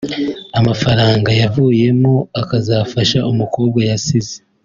amafaranga yavuyemo akazafasha umukobwa yasize